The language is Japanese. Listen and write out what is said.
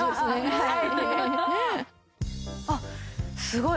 はい。